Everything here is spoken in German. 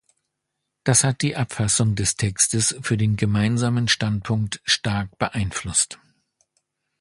Das hat die Abfassung des Textes für den gemeinsamen Standpunkt stark beeinflusst.